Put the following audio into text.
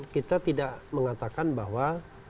kita tidak mengatakan bahwa